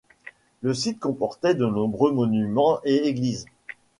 Le site comportait de nombreux monuments et églises.